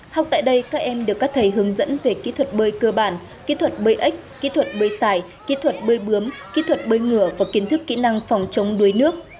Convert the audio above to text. học tại đây các em được các thầy hướng dẫn về kỹ thuật bơi cơ bản kỹ thuật bơi ếch kỹ thuật bơi xài kỹ thuật bơi bướm kỹ thuật bơi ngựa và kiến thức kỹ năng phòng chống đuối nước